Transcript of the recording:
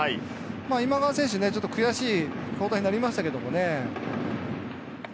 今川選手、ちょっと悔しい交代になりましたけどね。